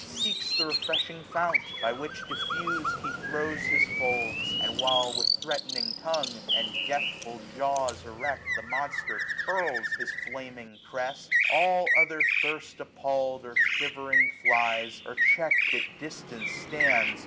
Seeks the refreshing fount ; by which diffused. He throws his folds: and while, with threatning tongue. And deathful jaws erect, the monster curls His flaming crest, all other thirst appalPd, 905 Or shivering flies, or checked at distance stands.